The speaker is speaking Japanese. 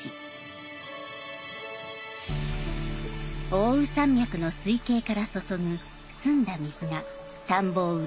奥羽山脈の水系から注ぐ澄んだ水が田んぼを潤します。